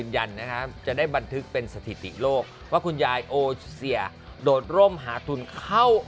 ยังเดินแหละ